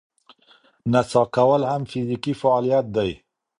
نڅا کول هم فزیکي فعالیت دی.